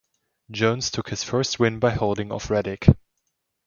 Jones took his first win by holding off Reddick.